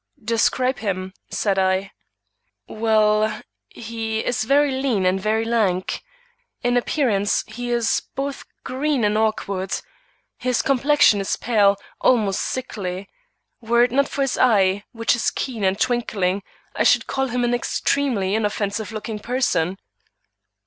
"Describe him," said I. "Well, he is very lean and very lank. In appearance he is both green and awkward. His complexion is pale, almost sickly. Were it not for his eye, which is keen and twinkling, I should call him an extremely inoffensive looking person."